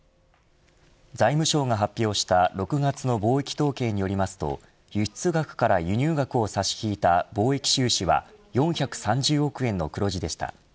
財務省が発表した６月の貿易統計によりますと輸出額から輸入額を差し引いた貿易収支は４３０億円の黒字でした。